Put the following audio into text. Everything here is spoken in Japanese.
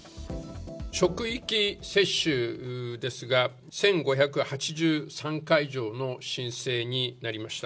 職域接種ですが、１５８３会場の申請になりました。